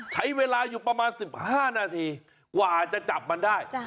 ใช้เวลาอยู่ประมาณ๑๕นาทีกว่าจะจับมันได้